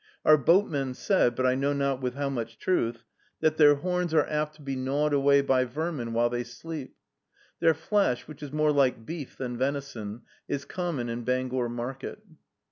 Our boatmen said, but I know not with how much truth, that their horns are apt to be gnawed away by vermin while they sleep. Their flesh, which is more like beef than venison, is common in Bangor market.